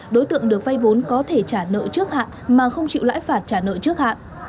đối tượng được vay vốn có thể trả nợ trước hạn mà không chịu lãi phạt trả nợ trước hạn